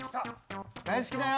大好きだよ！